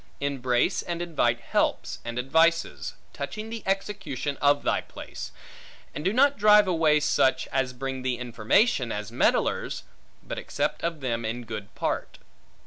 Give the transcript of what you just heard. Embrace and invite helps, and advices, touching the execution of thy place; and do not drive away such, as bring thee information, as meddlers; but accept of them in good part.